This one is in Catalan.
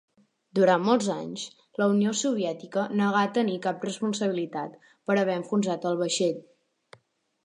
Durant molts anys, la Unió Soviètica negà tenir cap responsabilitat per haver enfonsat el vaixell.